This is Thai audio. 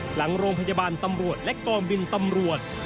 หลังโรงพยาบาลตำรวจและกองบินตำรวจ